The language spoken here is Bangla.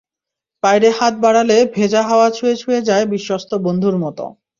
বাইরে হাত বাড়ালে ভেজা হাওয়া ছুঁয়ে ছুঁয়ে যায় বিশ্বস্ত বন্ধুর মতো।